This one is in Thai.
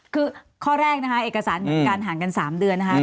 คือข้อแรกนะคะเอกสารการห่างกันสามเดือนนะคะ